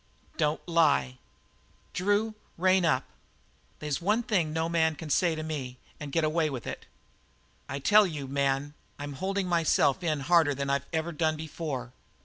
"Don't lie." "Drew, rein up. They's one thing no man can say to me and get away with it." "I tell you, man, I'm holding myself in harder than I've ever done before.